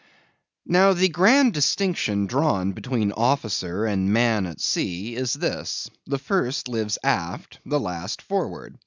Now, the grand distinction drawn between officer and man at sea, is this—the first lives aft, the last forward.